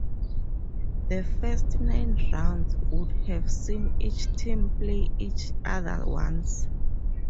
The first nine rounds would have seen each team play each other once.